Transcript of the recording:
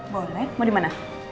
boleh mau dimana